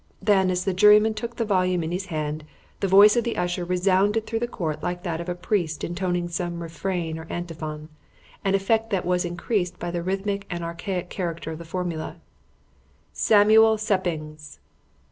Then, as the juryman took the volume in his hand, the voice of the usher resounded through the court like that of a priest intoning some refrain or antiphon an effect that was increased by the rhythmical and archaic character of the formula "Samuel Seppings!"